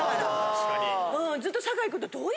確かに。